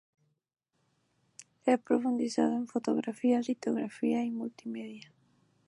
Ha profundizado en fotografía, litografía y multimedia.